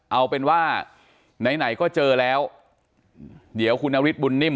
เอาเป็นว่าไหนไหนก็เจอแล้วเดี๋ยวคุณนฤทธบุญนิ่ม